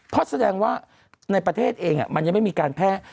เพราะแสดงว่าในประเทศเองมันยังไม่มีการแพร่